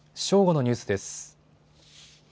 正午のニュースです。